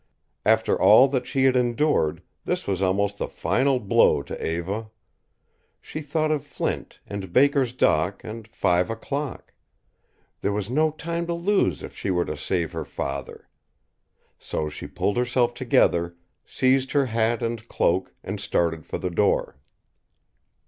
After all that she had endured, this was almost the final blow to Eva. She thought of Flint and Baker's dock and five o'clock. There was no time to lose if she were to save her father. So she pulled herself together, seized her hat and cloak, and started for the door.